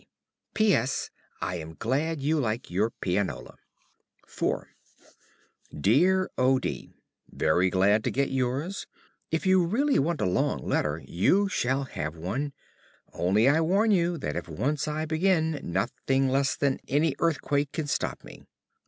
D. P. S. I am glad you like your pianola IV Dear O. D., Very glad to get yours. If you really want a long letter, you shall have one; only I warn you that if once I begin nothing less than any earthquake can stop me.